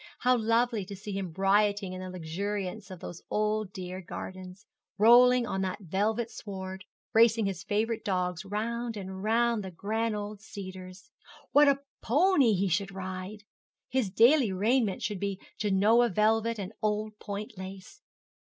How lovely to see him rioting in the luxuriance of those dear old gardens, rolling on that velvet sward, racing his favourite dogs round and round the grand old cedars! What a pony he should ride! His daily raiment should be Genoa velvet and old point lace.